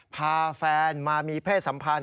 พาแฟนมามีเพศสัมพันธ